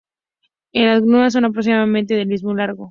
Las glumas son aproximadamente del mismo largo.